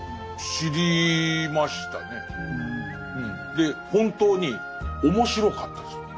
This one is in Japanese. で本当に面白かったです。